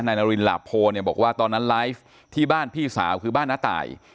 นารินหลาโพเนี่ยบอกว่าตอนนั้นไลฟ์ที่บ้านพี่สาวคือบ้านน้าตาย